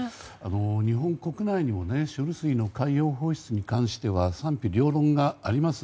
日本国内にも処理水に海洋放出に関しては賛否両論があります。